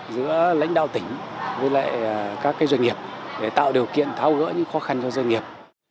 giữa lãnh đạo tỉnh với các doanh nghiệp để tạo điều kiện thao gỡ những khó khăn cho doanh nghiệp